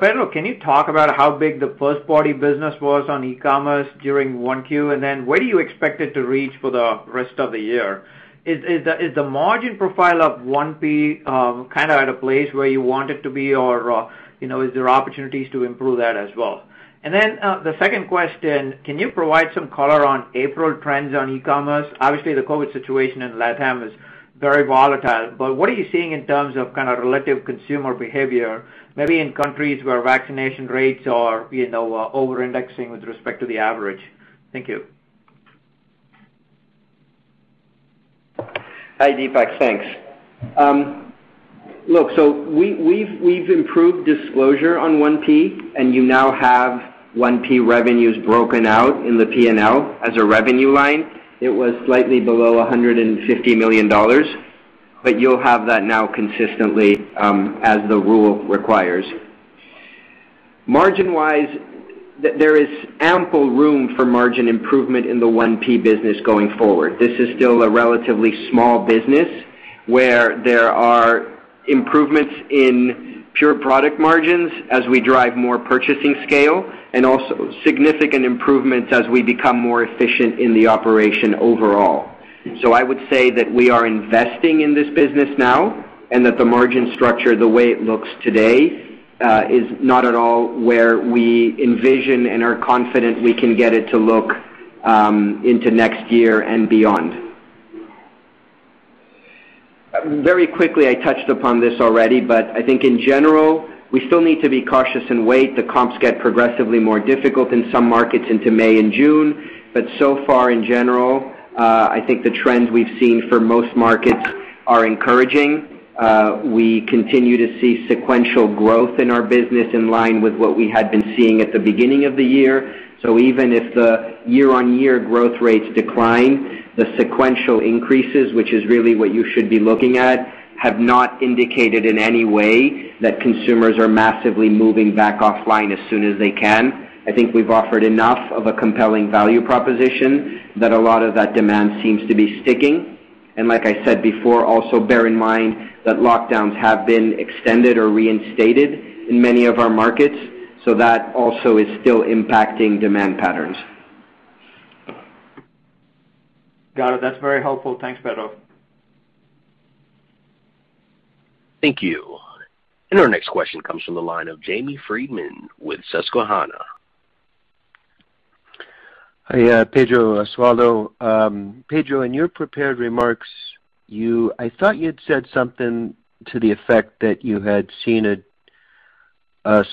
Pedro, can you talk about how big the first-party business was on e-commerce during one Q? What do you expect it to reach for the rest of the year? Is the margin profile of 1P at a place where you want it to be, or is there opportunities to improve that as well? The second question, can you provide some color on April trends on e-commerce? Obviously, the COVID situation in LatAm is very volatile. What are you seeing in terms of relative consumer behavior, maybe in countries where vaccination rates are over-indexing with respect to the average? Thank you. Hi, Deepak. Thanks. Look, we've improved disclosure on 1P, and you now have 1P revenues broken out in the P&L as a revenue line. It was slightly below $150 million, you'll have that now consistently, as the rule requires. Margin-wise, there is ample room for margin improvement in the 1P business going forward. This is still a relatively small business where there are improvements in pure product margins as we drive more purchasing scale, and also significant improvements as we become more efficient in the operation overall. I would say that we are investing in this business now, and that the margin structure, the way it looks today, is not at all where we envision and are confident we can get it to look into next year and beyond. Very quickly, I touched upon this already. I think in general, we still need to be cautious and wait. The comps get progressively more difficult in some markets into May and June. So far, in general, I think the trends we've seen for most markets are encouraging. We continue to see sequential growth in our business in line with what we had been seeing at the beginning of the year. Even if the year-on-year growth rates decline, the sequential increases, which is really what you should be looking at, have not indicated in any way that consumers are massively moving back offline as soon as they can. I think we've offered enough of a compelling value proposition that a lot of that demand seems to be sticking. Like I said before, also bear in mind that lockdowns have been extended or reinstated in many of our markets. That also is still impacting demand patterns. Got it. That's very helpful. Thanks, Pedro. Thank you. Our next question comes from the line of Jamie Friedman with Susquehanna. Hi, Pedro, Osvaldo. Pedro, in your prepared remarks, I thought you had said something to the effect that you had seen a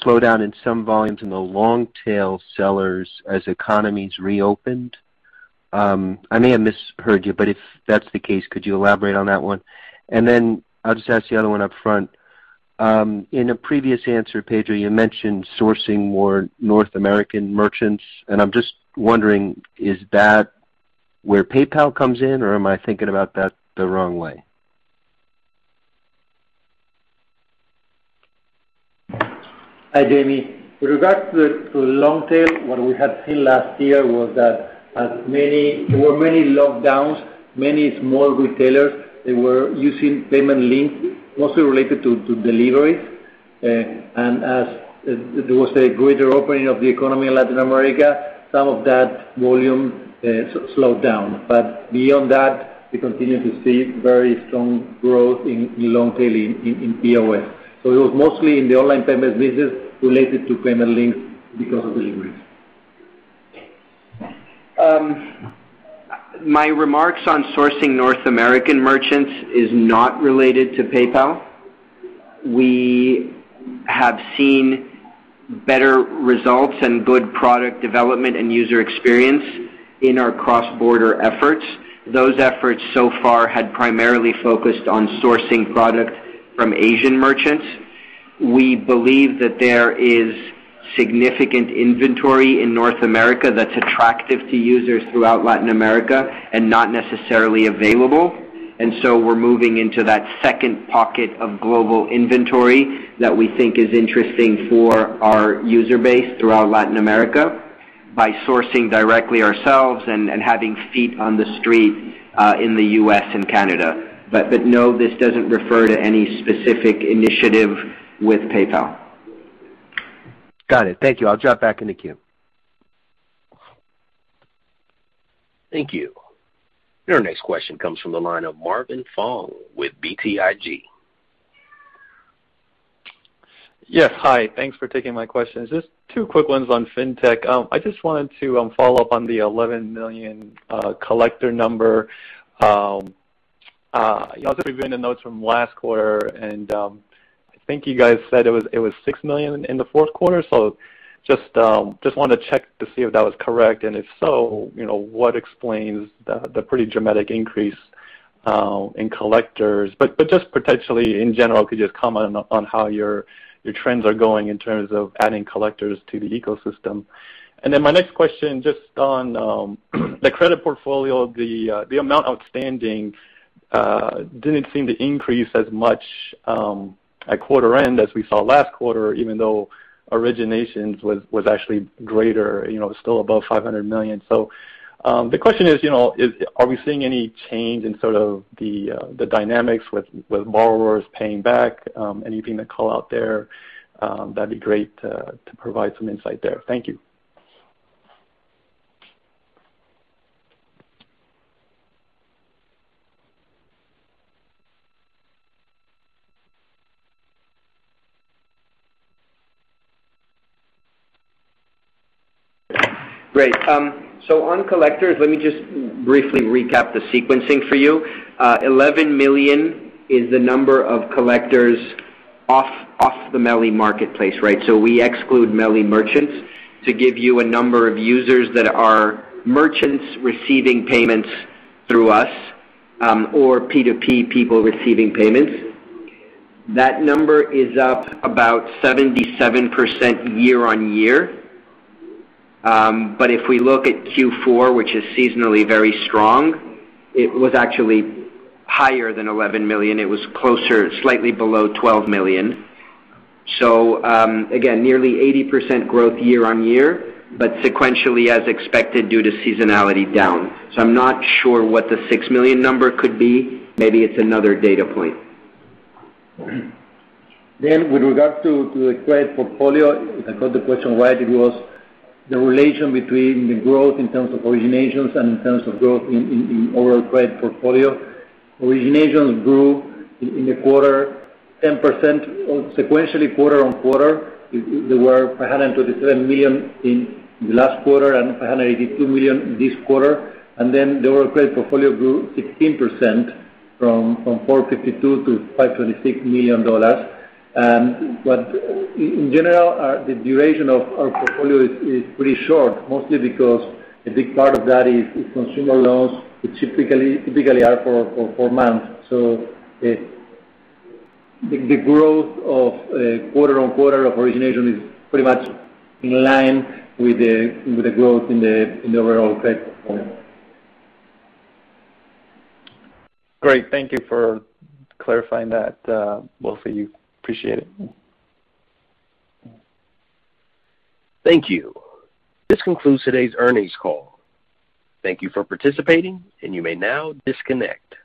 slowdown in some volumes in the long-tail sellers as economies reopened. I may have misheard you, but if that's the case, could you elaborate on that one? Then I'll just ask the other one up front. In a previous answer, Pedro, you mentioned sourcing more North American merchants, and I'm just wondering, is that where PayPal comes in, or am I thinking about that the wrong way? Hi, Jamie. With regard to the long tail, what we had seen last year was that there were many lockdowns. Many small retailers, they were using payment links mostly related to deliveries. As there was a greater opening of the economy in Latin America, some of that volume slowed down. Beyond that, we continue to see very strong growth in long tail in POS. It was mostly in the online payment business related to payment links because of deliveries. My remarks on sourcing North American merchants is not related to PayPal. We have seen better results and good product development and user experience in our cross-border efforts. Those efforts so far had primarily focused on sourcing product from Asian merchants. We believe that there is significant inventory in North America that's attractive to users throughout Latin America and not necessarily available. We're moving into that second pocket of global inventory that we think is interesting for our user base throughout Latin America by sourcing directly ourselves and having feet on the street in the U.S. and Canada. No, this doesn't refer to any specific initiative with PayPal. Got it. Thank you. I'll drop back in the queue. Thank you. Your next question comes from the line of Marvin Fong with BTIG. Yes. Hi. Thanks for taking my questions. Just two quick ones on fintech. I just wanted to follow up on the 11 million collector number. I was reviewing the notes from last quarter. I think you guys said it was 6 million in the fourth quarter. Just want to check to see if that was correct, and if so, what explains the pretty dramatic increase in collectors. Just potentially, in general, could you just comment on how your trends are going in terms of adding collectors to the ecosystem? My next question, just on the credit portfolio, the amount outstanding didn't seem to increase as much at quarter end as we saw last quarter, even though originations was actually greater, still above $500 million. The question is, are we seeing any change in sort of the dynamics with borrowers paying back? Anything to call out there? That'd be great to provide some insight there. Thank you. Great. On collectors, let me just briefly recap the sequencing for you. 11 million is the number of collectors off the MELI marketplace. We exclude MELI merchants to give you a number of users that are merchants receiving payments through us, or P2P people receiving payments. That number is up about 77% year-on-year. If we look at Q4, which is seasonally very strong, it was actually higher than 11 million. It was closer, slightly below 12 million. Again, nearly 80% growth year-on-year, but sequentially as expected due to seasonality down. I'm not sure what the 6 million number could be. Maybe it's another data point. With regard to the credit portfolio, if I got the question right, it was the relation between the growth in terms of originations and in terms of growth in overall credit portfolio. Originations grew in the quarter 10% sequentially quarter-on-quarter. There were $527 million in the last quarter and $582 million this quarter. The overall credit portfolio grew 16% from $452 million-$526 million. In general, the duration of our portfolio is pretty short, mostly because a big part of that is consumer loans, which typically are for four months. The growth of quarter-on-quarter of origination is pretty much in line with the growth in the overall credit portfolio. Great. Thank you for clarifying that, both of you. Appreciate it. Thank you. This concludes today's earnings call. Thank you for participating, and you may now disconnect.